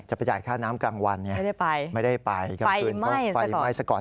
จะไปจ่ายค่าน้ำกลางวันเนี่ยไม่ได้ไปกลางคืนเขาไปไหม้สก่อน